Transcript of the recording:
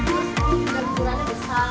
dengan kuliner yang berkuah hangat